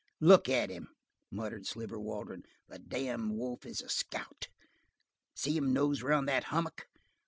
"Look at him!" muttered Sliver Waldron. "The damned wolf is a scout. See him nose around that hummock?